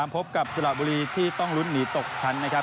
พบกับสระบุรีที่ต้องลุ้นหนีตกชั้นนะครับ